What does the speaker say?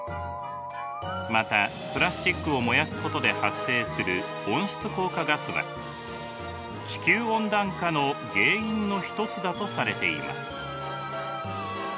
またプラスチックを燃やすことで発生する温室効果ガスは地球温暖化の原因の一つだとされています。